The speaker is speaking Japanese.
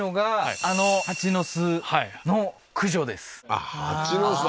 あっ蜂の巣